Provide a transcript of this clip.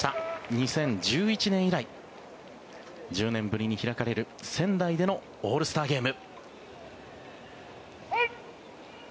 ２０１１年以来１０年ぶりに開かれる仙台でのオールスターゲーム。